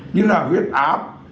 như là huyết áp